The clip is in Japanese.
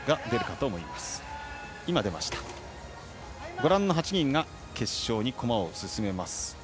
ご覧の８人が決勝に駒を進めます。